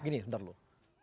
gini bentar loh